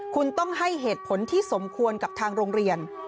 คุณต้องให้เหตุผลที่สมควรกับทางโรงเรียน